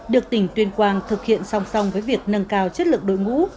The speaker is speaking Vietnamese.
được tỉnh tuyên quang thực hiện song song với việc nâng cao chất lượng đội ngũ